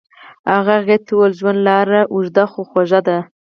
هغه هغې ته وویل ژوند لاره اوږده خو خوږه ده.